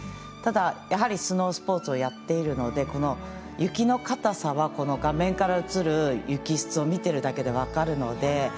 ただ、やはりスノースポーツをやっているので雪のかたさは画面に映る雪質を見ているだけで分かるので。